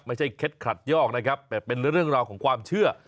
เคล็ดขัดยอกนะครับแต่เป็นเรื่องราวของความเชื่อ